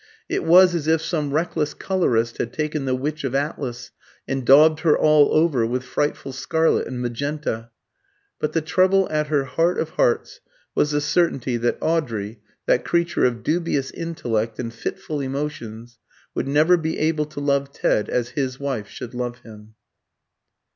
It was as if some reckless colourist had taken the Witch of Atlas and daubed her all over with frightful scarlet and magenta. But the trouble at her heart of hearts was the certainty that Audrey, that creature of dubious intellect and fitful emotions, would never be able to love Ted as his wife should love him.